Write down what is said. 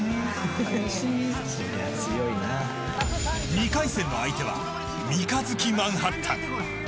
２回戦の相手は三日月マンハッタン。